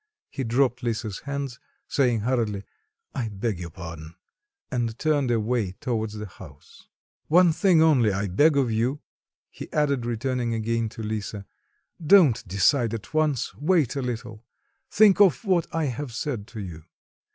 He dropped Lisa's hands, saying hurriedly, "I beg your pardon," and turned away towards the house. "One thing only I beg of you," he added, returning again to Lisa; "don't decide at once, wait a little, think of what I have said to you.